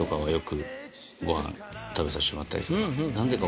食べさしてもらったりとか。